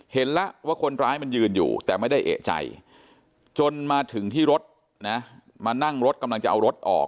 เห็นแล้วว่าคนร้ายมันยืนอยู่แต่ไม่ได้เอกใจจนมาถึงที่รถนะมานั่งรถกำลังจะเอารถออก